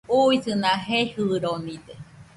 Uisɨna jejɨronide